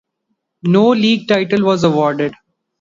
No league title was awarded.